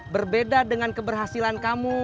berbeda dengan keberhasilan kamu